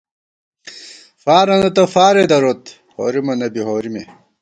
فارَنہ تہ فارے دروت ، ہورِمَنہ بی ہورِمے